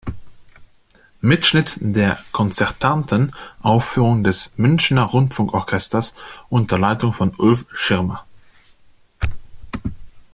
Mitschnitt der konzertanten Aufführung des Münchner Rundfunkorchesters unter Leitung von Ulf Schirmer.